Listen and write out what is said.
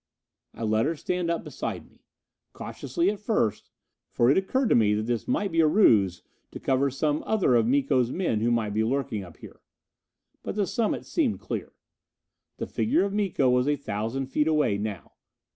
I let her stand up beside me; cautiously, at first, for it occurred to me that this might be a ruse to cover some other of Miko's men who might be lurking up here. But the summit seemed clear. The figure of Miko was a thousand feet away now.